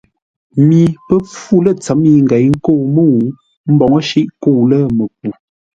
Mi pə́ fú lə̂ ntsə̌m yi ngěi ə́ nkə́u mə́u mboŋə́ shíʼ kə́u ləməku.